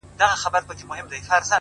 لكه سپوږمۍ چي ترنده ونيسي!!